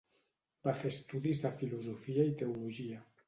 Va fer estudis de filosofia i teologia.